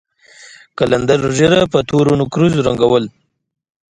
قلندر ږيره په تورو نېکريزو رنګوله.